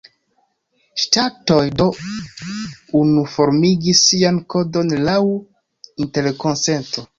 Ŝtatoj do unuformigis sian kodon laŭ interkonsento.